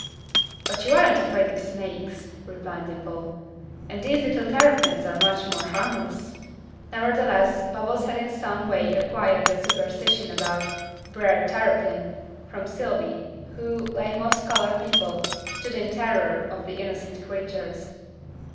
"But you aren't afraid of snakes," replied Dimple, "and these little terrapins are much more harmless." Nevertheless Bubbles had in some way acquired a superstition about "Bre'r Tarrapin," from Sylvy, who, like most colored people, stood in terror of the innocent creatures.